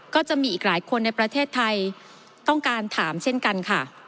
ก็จะมีอีกหลายคนในประเทศไทยต้องการถามเช่นกันค่ะ